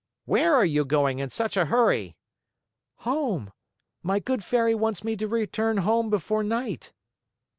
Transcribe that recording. "Where are you going in such a hurry?" "Home. My good Fairy wants me to return home before night."